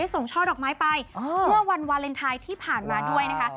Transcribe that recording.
ช่อดอกไม้ไปเมื่อวันวาเลนไทยที่ผ่านมาด้วยนะคะ